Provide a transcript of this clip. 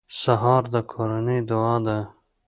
سهار د کورنۍ دعا ده.